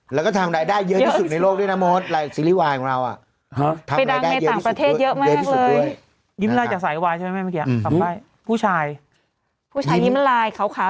แล้วก็ทางได้ได้เยอะที่สุดในโลกด้วยนะโมทอะไรซีริอี้ไวล์ของเราอะ